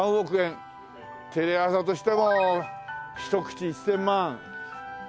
テレ朝としても一口１０００万。